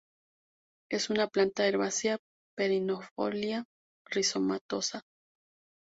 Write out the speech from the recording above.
Es una planta herbácea perennifolia rizomatosa.